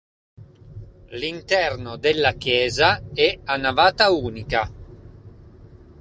L'interno della chiesa è a navata unica.